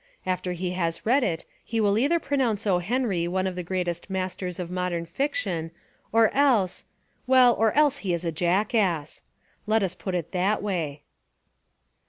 After he has read it he will either pronounce O. Henry one of the greatest masters of modern fiction or else, — well, or else he is a jackass. Let us put it that way.